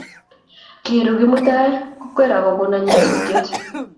Kiru Kimutai Kokwer akokon nyasutiet